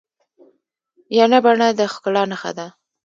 ینه بڼه د ښکلا نخښه ده.